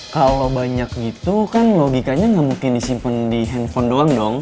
kalo banyak gitu kan logikanya ga mungkin disimpen di handphone doang dong